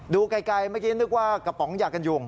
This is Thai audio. ดูไกลเมื่อกี้นึกว่ากระป๋องอยากกันยุง